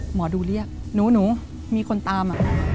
หมอดูเรียกหนูมีคนตาม